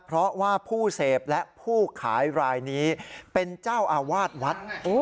เพราะว่าผู้เสพและผู้ขายรายนี้เป็นเจ้าอาวาสวัด